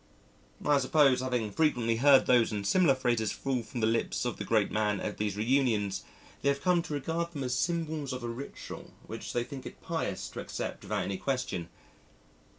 I suppose, having frequently heard these and similar phrases fall from the lips of the great man at these reunions, they have come to regard them as symbols of a ritual which they think it pious to accept without any question.